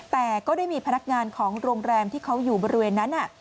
แต่ก็ได้มีพนักงานของโรงแรมที่เขาอยู่บริเวณนั้น